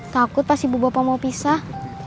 takut pas ibu bapak mau pisah